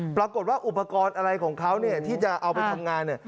ปรากฏว่าอุปกรณ์อะไรของเขาที่จะเอาไปทำงาน